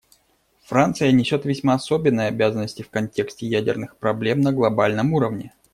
Франция несет весьма особенные обязанности в контексте ядерных проблем на глобальном уровне.